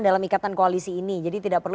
dalam ikatan koalisi ini jadi tidak perlu